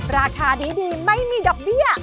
ราคาดีไม่มีดอกเบี้ย